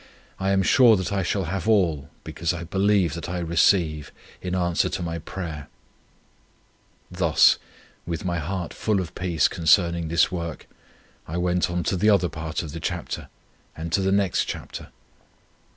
I am sure that I shall have all, because I believe that I receive in answer to my prayer.' Thus, with the heart full of peace concerning this work, I went on to the other part of the chapter, and to the next chapter.